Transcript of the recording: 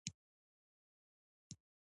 په ټول تاریخ کې تابوگانې جوړې شوې دي